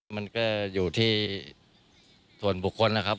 มันก็อยู่ที่ส่วนบุคคลนะครับ